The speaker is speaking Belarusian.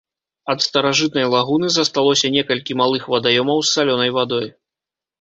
Ад старажытнай лагуны засталося некалькі малых вадаёмаў з салёнай вадой.